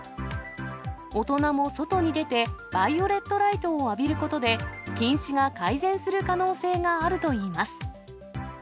大人も外に出てバイオレットライトを浴びることで、近視が改善する可能性があるといいます。